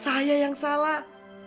saya yang salah